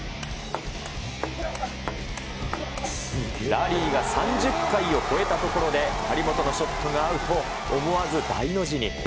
ラリーが３０回を超えたところで、張本のショットがアウト、思わず大の字に。